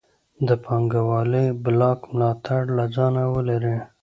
د پانګوالۍ بلاک ملاتړ له ځانه ولري.